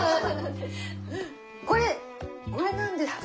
これこれ何ですか？